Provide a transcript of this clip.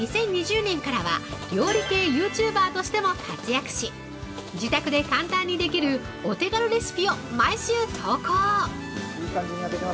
２０２０年からは料理系ユーチューバーとしても活躍し、自宅で簡単にできるお手軽レシピを毎週投稿！